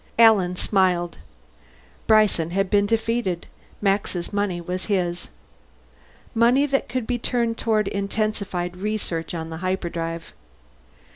Alan smiled. Bryson had been defeated; Max's money was his. Money that could be turned toward intensified research on the hyperdrive.